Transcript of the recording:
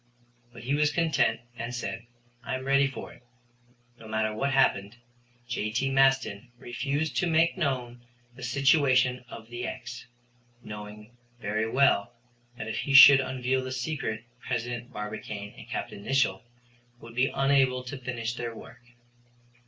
But he was content and said: "I am ready for it." No matter what happened, J.T. Maston refused to make known the situation of the "x," knowing very well that if he should unveil the secret President Barbicane and Capt. Nicholl would be unable to finish their work.